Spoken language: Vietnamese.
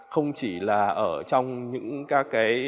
không chỉ là ở trong những các cái